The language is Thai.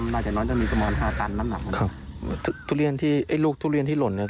มันน่าจะน้อยจะมีประมาณห้าตันครับทุเรียนที่ไอ้ลูกทุเรียนที่หล่นเนี่ย